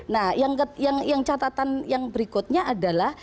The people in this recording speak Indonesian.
nah yang catatan berikutnya